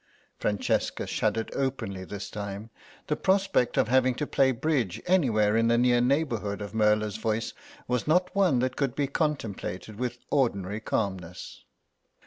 Francesca shuddered openly this time; the prospect of having to play bridge anywhere in the near neighbourhood of Merla's voice was not one that could be contemplated with ordinary calmness.